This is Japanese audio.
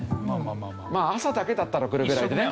まあ朝だけだったらこれぐらいでね